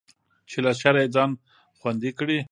چې له شره يې ځان خوندي کړي.